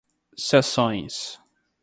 sessões